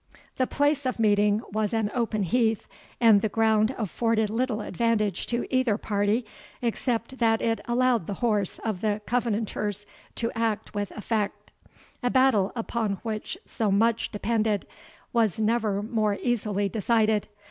The place of meeting was an open heath, and the ground afforded little advantage to either party, except that it allowed the horse of the Covenanters to act with effect. A battle upon which so much depended, was never more easily decided.